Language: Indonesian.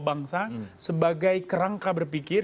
bangsa sebagai kerangka berpikir